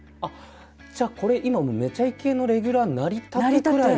じゃこれ今「めちゃイケ」のレギュラーになりたてぐらいの？